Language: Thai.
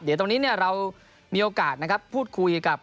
เดี๋ยวตรงนี้เนี่ยเรามีโอกาสนะครับ